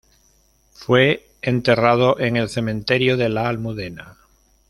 Fue enterrado en el cementerio de la Almudena.